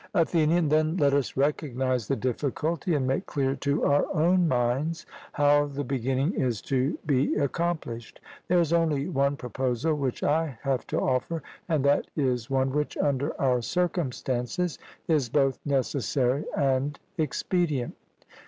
ATHENIAN: Then let us recognize the difficulty, and make clear to our own minds how the beginning is to be accomplished. There is only one proposal which I have to offer, and that is one which, under our circumstances, is both necessary and expedient.